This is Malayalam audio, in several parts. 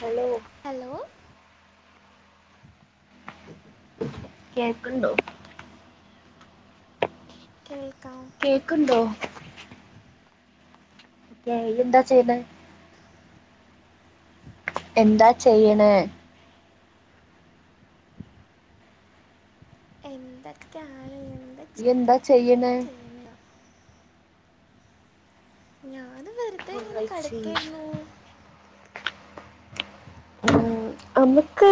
ഹലോ ഹലോ കേൾക്കുണ്ടോ കേൾക്കാം കേക്കുണ്ടോ എന്താ ചെയ്യുന്നത് എന്താ ചെയ്യണേ എന്തൊക്ക ആലേ നീ എന്താ ചെയ്യണേ ഞാ അത് വെറുതെ ഇങ്ങനെ കടക്കേയിരുന്നു ഉം, നമുക്ക്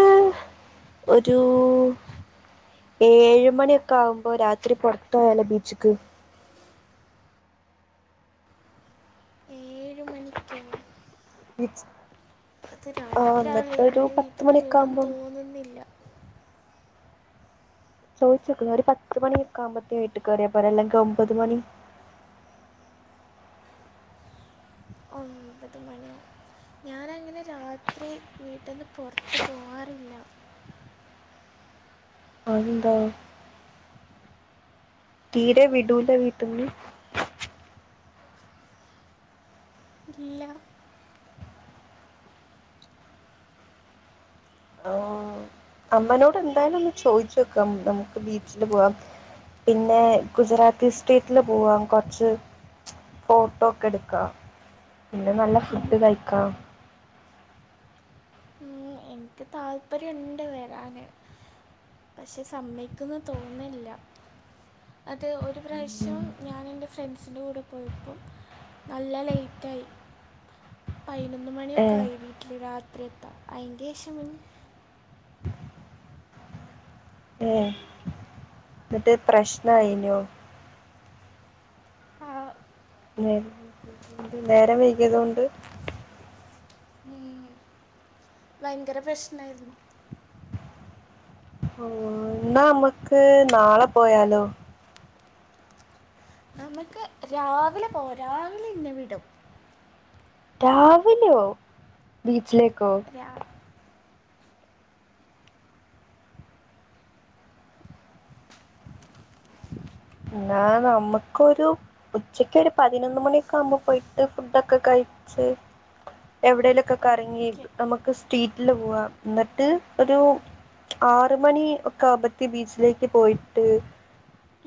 ഒരു ഏഴ് മണിയൊക്കെ ആകുമ്പോ രാത്രി പൊറത്ത് പോയാലോ ബീച്ച്ക്ക് നിക്കൂ വിളിച് അത് രാത്രിവല്ലേ ഇനി വീട്ടിന്ന് മണിയൊക്കെ വിടും ആകുമ്പം തോന്നുന്നില്ല ചോദിച്ച്നേക്ക് ഒരു പത്തുമണിക്കെ ആകുമ്പത്തേ വീട്ടി കറിയ പോരെ അല്ലെങ്കിൽ ഒമ്പത് മണി ഒമ്പത് മണിയോ ഞാനങ്ങനെ രാത്രി വീട്ടിന്ന് പുറത്തു പോവാറില്ല അതെന്താ തീരെ വിടൂല വീട്ടന്ന് ഇല്ല അമ്മനോട് എന്തായാലും ഒന്ന് ചോയിച്ച് നോക്കാം നമുക്ക് ബീച്ചില് പോവാം പിന്നെ ഗുജറാത്തി സ്റ്റേറ്റില് പോവാം കൊറച്ച് ഫോട്ടോ ഒക്കെ എടുക്കാം പിന്നെ നല്ല ഫുഡ് എനി- കഴിക്കാം ഉം, എനിക്ക് താല്പര്യുണ്ട് വരാന് പക്ഷെ സമ്മക്കന്ന് തോന്നില്ല അത് ഒരു പ്രാവശ്യം ഞാൻ എൻ്റെ ഫ്രണ്ട്സിന്റെ കൂടെ പോയപ്പോം നല്ല ലേറ്റ് ആയി പതിനൊന്ന് ഏ മണിയൊക്കെ ആ വീട്ടിൽ രാത്രി അത്രേത്ത ആയിൻ്റെ [inaudible] ഏ എന്നിട്ട് പ്രശ്നയിനോ ആ, നേരം വൈകിയതുകൊണ്ട് ഭയങ്കര പ്രശ്നായിരുന്നു എന്നാ നമ്മക്ക് നാളെ പോയാലോ നമുക്ക് രാവിലെ പോവാം രാവിലെ ഇന്നെ വിടും രാവിലെയോ ബീച്ചിലേക്ക് രാവി എന്നാ നമുക്ക് ഒരു ഉച്ചക്ക് ഒരു പതിനൊന്ന് മണിയൊക്കെ ആകുമ്പോ പോയിട്ട് ഫുഡൊക്കെ കഴിച്ച് എവിടെലൊക്കെ കറങ്ങി ഓക്കെ നമുക്ക് സ്ട്രീറ്റില് പോവാ എന്നിട്ട് ഒരു ആറ് മണി ഒക്കെ ആവുമ്പത്തി ബീച്ചിലേക്ക് പോയിട്ട്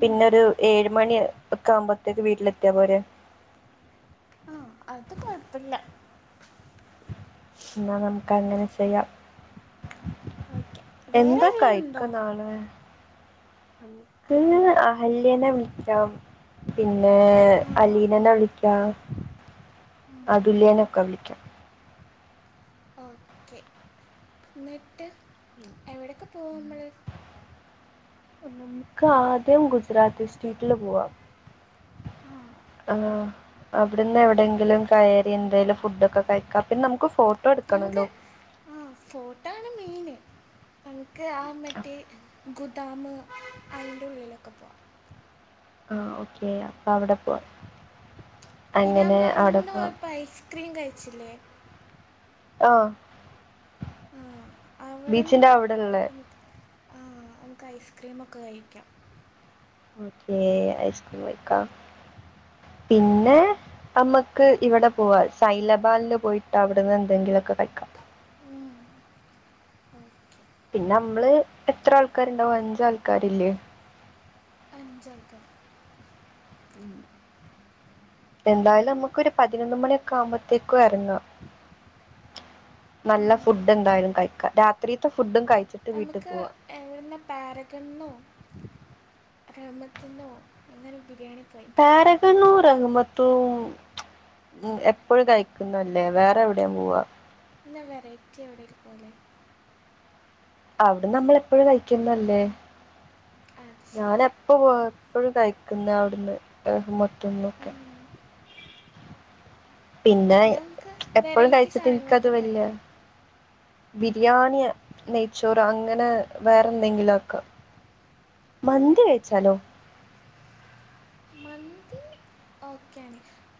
പിന്നൊരു ഏഴ് മണി ഒക്കെ ആകുമ്പോത്തേക്ക് വീട്ടില് എത്തിയാ പോരെ ആ അത് കൊഴപ്പില്ല എന്നാ നമുക്ക് അങ്ങനെ ചെയ്യാം ഓക്കെ വേറെ എന്താ ആരെങ്കിലും ഉണ്ടോ കഴിക്ക നാളെ നമുക്ക് അഹല്യയേന വിളിക്കാം പിന്നെ ആ അലീനനെന് ഓ- വിളിക്കാം അതുല്യനെ ഒക്കെ വിളിക്കാം ഓക്കെ എന്നിട്ട് എവിടെയൊക്കെ പോവും മ്മള് നമുക്ക് ആദ്യം ഗുജറാത്തി സ്റ്റീറ്റില് പോവാ ആ അവിടുന്ന് എവിടെങ്കിലും കയറി എന്തെിലും ഫുഡ് ഒക്കെ കഴിക്കാം പിന്നെ നമുക്ക് ഫോ ഞമുക്ക് ആ ഫോട്ടോ ആണ് മെയിന് നമുക്ക് ആ മറ്റേ ഗു ഡാമ് അതിൻ്റെ ഉള്ളിലൊക്കെ പോവാം ആ ഓക്കേ അപ്പ അവിടെ പോം പിന്നെ നമ്മൾ അന്ന് പോയപ്പം ഐസ്ക്രീം കഴിച്ചില്ലേ ആ ആ അവിടെ ബീച്ചിന്റെ നിന്ന് അവിടെള്ള നമുക്ക് ആ നമുക്ക് ഐസ്ക്രീമൊക്കെ കഴിക്കാം ഓക്കേ ഐസ്ക്രീമ് കഴിക്കാം. പിന്നെ നമ്മക്ക് ഇവടെ പോവാം സൈൻ ലബാനില് പോയിട്ട് അവിടുന്ന് എന്തെങ്കിലും ഒക്കെ കഴിക്കാം. പിന്നെ അമ്മള് എത്ര ആൾക്കാരുണ്ടാവും? അഞ്ച് ആൾക്കാരില്ലേ? അഞ്ചാൾക്കാര് ഉം. എന്തായാലുമുക്ക് ഒരു പതിനൊന്ന് മണിയൊക്കെ ആവുമ്പോത്തേക്ക് എറങ്ങാം. നല്ല ഉം, ഫുഡ് എന്തായാലും അതെ കഴിക്കാം. രാത്രിത്തെ ഫുഡും കഴി നമുക്ക് എങ്ങടുന്ന പാരഗന്നോ റഹ്മത്തിന്നോ എങ്ങാനും ബിരിയാണി കഴിക്കാം പാരഗണൂ റഹ്മത്തും എപ്പഴും കഴിക്ക്ന്നല്ലേ വേറെ എവ്ടേം പൂവാ പിന്നെ വെറൈറ്റി എവ്ടേം പൂവാലെ അവ്ടെ നമ്മൾ എപ്പഴും കയ്ക്ക്ന്നല്ലേ അത് ശരിയാ ഞാനെപ്പോ പോ എപ്പഴും കഴി പിന്നവ്ട്ന്ന് റഹ്മ ത്ത്ന്ന് ഒക്കെ ഉം. പിന്നെ നമുക്ക് എപ്പഴും വെറൈറ്റി കഴിച്ച്ട്ട് ഇൻക്കത് സാധനങ്ങളൊക്കെ ട്രൈ വെല്യേ ചെയ്യാം ബിരിയാണി, നെയ്ച്ചോറ് അങ്ങനെ വേറെന്തെങ്കിലും ആക്കാം. അതെ മന്തി കഴിച്ചാലോ?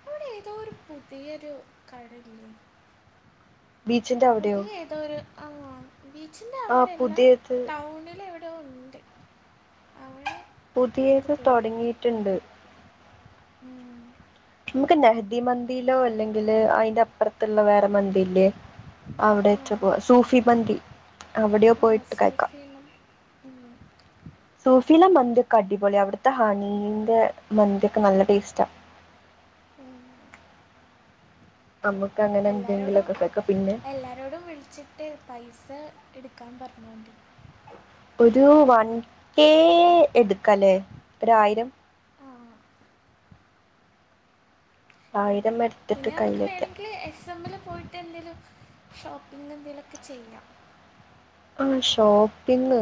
അവടെ ഏതോരു ഒര് പുതിയൊരു കടല്യേ ബീച്ചിന്റെ അവിടെയോ പുതിയ ഏതോര് ആഹ് ബീച്ചിന്റെ ആ അവടെല്ല പുതിയത് ടൗണിലെവ യോ ഉണ്ട് അങ്ങനെ പുതിയത് തൊടങ്ങീട്ട്ണ്ട്. മ് നമ്മക്ക് നെഹ്ദി മന്തിയിലോ അല്ലെങ്കില് അയിന്റെ അപ്പർത്ത്ള്ള വേറെ മന്തില്ലേ? ആ അവിടേച്ച പോവാ സൂഫി മന്തി. അവടെയോ ആ പോയിട്ട് കയിക്കാം. സൂഫിയണം സൂഫീലെ മന്ത്യോക്കെ അടിപൊള്യ. അവ്ട്ത്തെ ഹണീന്റെ മന്ത്യോക്കെ നല്ല ടേസ്റ്റാ. മ് നമുക്ക് അങ്ങനെ എല്ലാരോടും എന്തെങ്കിലുമൊക്കെ കഴിക്കാം പിന്നെ എല്ലാരോടും വിള്ച്ച്ട്ട് പൈസ എട്ക്കാം പറഞ്ഞോണ്ട് ഒരു വൺ കേ എട്ക്കലേ? ഒരായിരം. ആ ആയി പിന്നെ നമ്മക്ക് വേണങ്കില് എസ്സമ്മില് പോയിട്ടെന്തേലും ഷോപ്പിങ്ങെന്തേലൊക്കെ ചെയ്യാം. ആ ഷോപ്പിങ്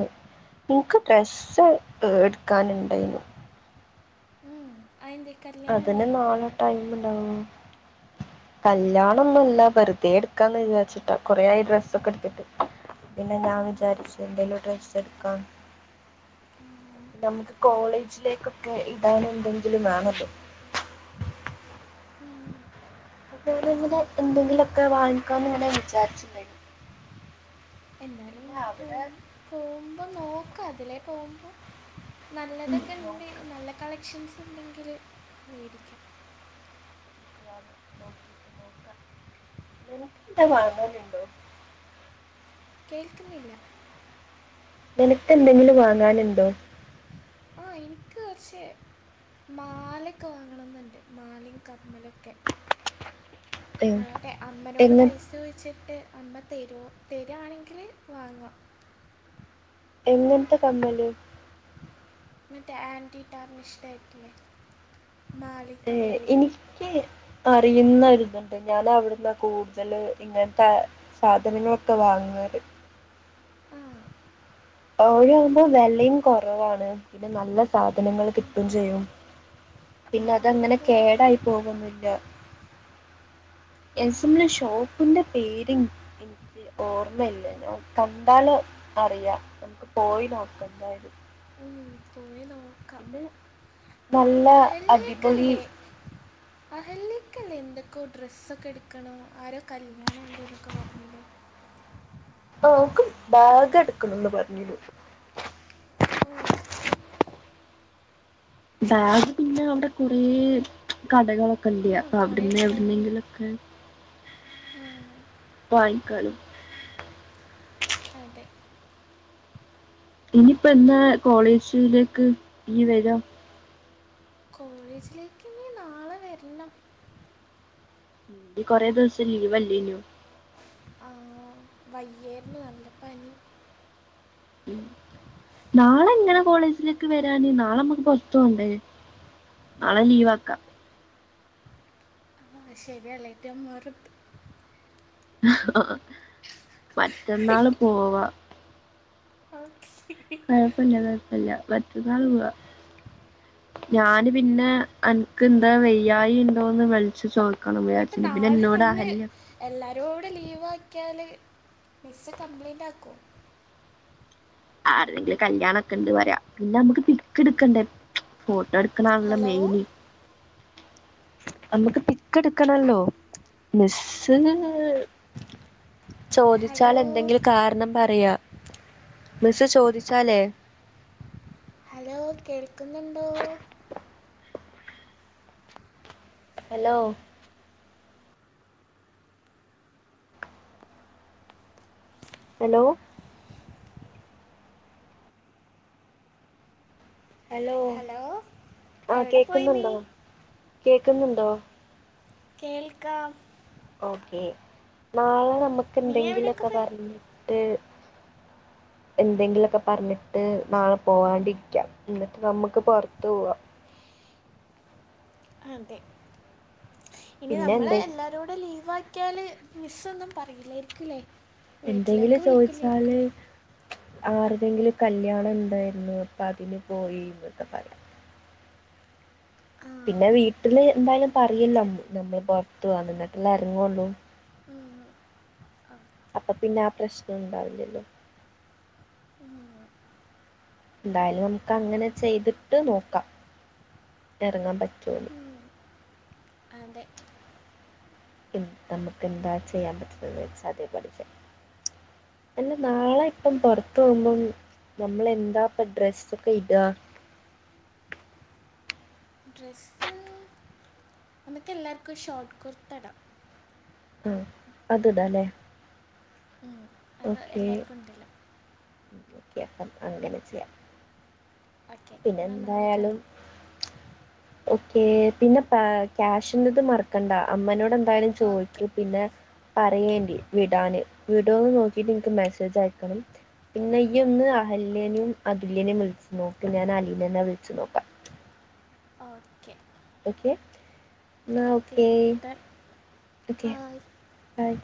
ഇൻക്ക് ഡ്രസ്സ് എട്ക്കാന്ണ്ടായിന്നു. ഉം, അതിൻ്റെ കല്യാണം അത് ന് എന്തെങ്കിലും വരും നാളെ കേട്ടോ ടൈമ്ണ്ടവോ കല്യാണൊന്നുല്ല വെർതെ എട്ക്കാന്ന് വിചാരിച്ചിട്ടാ. കൊറേ ആയി ഡ്രസ്സൊക്കെട്ത്ത്ട്ട്. പിന്നെ ഞാൻ വിചാരിച്ചു എന്തേലും ഒര് ഡ്രെസ്സ് എട്ക്കാന്ന്. നമുക്ക് കോളേജിലേക്കൊക്കെ ഇടാൻ എന്തെങ്കിലും വേണല്ലോ. [unintelligible] എന്തെങ്കിലൊക്കെ വാങ്ങിക്കാന്ന്ങ്ങനെ വിചാരിച്ചിണ്ണ്‌ എന്നാലും നോക്ക അതിലേ പോവുമ്പോ ഉം, നല്ലതൊക്കെണ്ട് നോക്കാം നല്ല കളക്ഷൻസ് ഉണ്ടെങ്കില് വേടിക്കാം [unintelligible] നിനക്ക് എന്താ വാങ്ങാന്ണ്ടോ കേൾക്ക്ന്നില്ല നിനക്കെന്തെങ്കിലും വാങ്ങാന്ണ്ടോ? ആ എനിക്ക് കുറച്ച്േ മാലൊക്കെ വാങ്ങണം എന്നുണ്ട് മാലയും കർമ്മലൊക്കെ ഉം, ങ്ങോട്ടെ അമ്മനോട് എങ്ങ പൈസ ചഴിച്ചിട്ട് അമ്മ തരുമോ തരുയാണെങ്കിൽ വാങ്ങാം എങ്ങനത്തെ കമ്മല് മറ്റേ ആൻറ്റിറ്റാർനിസ്റ്റ് എട്ടില്ലേ മല്ി കമൽി അറിയുന്നരിതുണ്ട് ഞാൻ അവിടുന്ന് കൂടുതല് ഇങ്ങനത്തെ സാധനങ്ങളൊക്കെ വാങ്ങറ് ആ ഒഴ ആകുമ്പോ വിലയും കുറവാണ് പിന്നെ നല്ല സാധനങ്ങൾ കിട്ടയും ചെയ്യും പിന്നെ എന്നാ അവിടെ അതങ്ങനെ പോവാം കേടായി പോകുന്നുില്ല ഉം, യസന് ഷോപ്പിന്റെ പേര് എനിക്ക് ഓർമ്മല്ല ഞോ കണ്ടാാലോ അറിയാം നമുക്ക് പോയി നോക്കണ്ടായിും ഉം, പോയി നോക്കാം പിന്നെ നല്ല അടിപൊളി അഹല്ലിക്കല്ല എന്തൊക്കോ ഡ്രെസ്സൊക്കെ എടുക്കണോ ആരോ കല്യാണം ഇണ്ട് എന്നൊക്കെ പറഞ്ഞില്ലേ ആ നക്ക്ും ബാഗ് എടുക്കുന്നുന്ന് പറഞ്ഞു ഓ ബാഗ് പിന്നെ അവിടെ കുറേ കഥകളൊക്കെ ഇണ്ട് ആ കുറേ അവിടന്ന കടകൾ അവിടുന്നെങ്കിലക്ക വായക്കാട്ും അതെ ഇനിപ്പ എന്താ കോളേജിലേക്ക് ഇനി വരാം കോളേജിലേക്ക് നീ നാളെ വരണം കൊറെേ ദിവസം ലീവ്ല്ലേനു ആ വയ്യേർന്ന് നല്ലപ്പനി ഉ നാളെ എങ്ങനെ കോളേജിലേക്ക് വരാന് നാളെമ്മുക്ക് പൊറത്തണ്ട്േ നാളെ ലീവാ് ആക്കാം ആ ശരിയല്ല ഏറ്റവും വെറുത്ത് മറ്റന്നാള് പോവാ ഓക്കെ കുഴപ്പില്ല കുഴപ്പില്ല മറ്റതാള പോവാ ഞാന് പിന്നെ എനക്ക് എന്താ വയ്യായി ഉണ്ടോന്ന് വിളിച്ചു ചോദ പ്പോ നാളെ നമ്മള് എല്ല ഒരൂട് ലീവ് ആക്കിയാല് നിസ് കംപ്ലൈയിൻറ് ആക്കോ ആരെങ്കിലും കല്യാണ ഒക്കെ ഇണ്ട് പറരാ പിന്നെ നമുക്ക് പിക്ക് എടുക്കണ്ടേ ഫട്ട നടടുക്ക നാളല്ല ഹലോ മെയയിനിി നമ്മുക്ക് പിക്ക് എടുക്കണല്ലോ മെസ്സ് ചോദിച്ചാൽ ഹലോ എന്തെങ്കിലും കാരണം പറയാ മിസ്സ് ചോദിച്ചാലേ ലോ കേൾക്ന്ന്ണ്ടോ ഹലോ ഹലോ ഹലോ ആ എവിടെ പോയി നീ കേക്ന്ന്ണ്ടോ കേക്ന്ന്ണ്ടോ? കേൾക്കാം ഓക്കെ നാളെ ന മ്മക്ക് നീ എവിടെയൊക്കെ എന്തെങ്കിലോക്കെ പോയി പർഞ് ട്ട് എന്തെങ്കിലൊക്കെ പർഞ്ട്ട് നാളെ പോവാണ്ടിരിക്കാം എന്ന്ട്ട് നമ്മക്ക് പോർത്ത് പോവാം അതെ ഇനി പിന്നെ നമ്മളെ എന്തെ എല്ലാരോടും ലീവാണ് ക്കാല് മിസ്സൊന്നും പറയില്ലായിരിക്ല്ലേ എന്തെങ്കിലും ചോയ്ച്ചാല് ആര്തെങ്കിലും കല്ല്യാണണ്ടേയ്ര്ന്നു അപ്പ തിന് പോയിന്നൊക്കെ പറ്യാ. ആ പിന്നെ വീട്ടില് എന്തായാലും പറയല്ലോ ഓക്കെ നമ്മള് പൊർത്ത് പോവാന്ന് ന്ന്ട്ടല്ലെർങ്ങൊള്ളൂ. അപ്പൊ പിന്നെ ആ പ്രശ്നണ്ടാവില്ലല്ലോ എന്തായാലും നമക്കങ്ങനെ ചെയ്തിട്ട് നോക്കാം. ഇതെർങ്ങാം പറ്റൊ [unintelligible] അതെ ഉം നമക്കെന്താ ചെയ്യാം പറ്റുന്നന്ന് വെച്ചാ അതേ പോലെ [unintelligible] അല്ല നാളെ പ്പം പൊർത്തോവുമ്പം നമ്മളെന്താ പ്പ ഡ്രസൊക്കെ ഇടാ. ഡ്രസ്സ് നമക്കെല്ലാർക്കും ഷോർട്ട് കുർത്തടാ. ആഹ് അത്ടാലേ. വ എല്ലാർക്കുണ്ടല്ലോ ഓക്കെപ്പം അങ്ങനെ ചെയ്യാം. ഓക്കെ പിന്നെ എന്നാൽ നാളെ ന്തായാലും കാണാം ഓക്കെ പിന്നെ പക്യാഷ് ന്നത് മറക്കണ്ട അമ്മനോടെൻ ന്തായാലും ചോയ്ക്ക് ഓക്കെ പിന്നെ പറയേണ്ടി വിടാന് വിടോന്ന് നോക്കിട്ടിൻക്ക് മെസ്സേജ യക്കണം പിന്നെ ഇയ്യൊന്ന് അഹല്യനും അതുല്യനും വിളിച്ച് നോക്ക് ഞാൻ അലീനനെ വിളിച്ച് നോക്കാം. ഓക്കെ ഓക്കെ ന്നാ ഓക്കെ ഓക്കെ ബൈ ബായ്